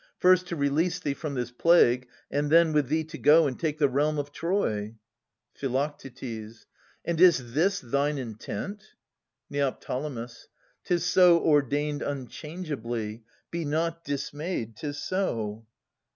First to release thee from this plague, and then With thee to go and take the realm of Troy. Phi. And is this thine intent? Neo. 'Tis so ordained Unchangeably. Be not dismayed ! 'Tis so.